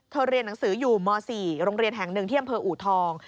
เธอเรียนหนังสืออยู่ม๔โรงเรียนแห่ง๑เที่ยมบอูทอง